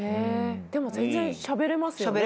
でも全然しゃべれますよね。